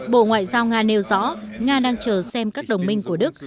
bộ ngoại giao nga nêu rõ nga đang chờ xem các đồng minh của đức